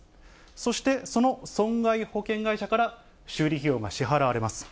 そして、その損害保険会社から修理費を支払われます。